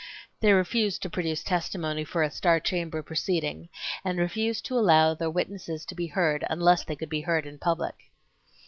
They refused to produce testimony for a "star chamber proceeding," and refused to allow their witnesses to be heard unless they could be heard in public.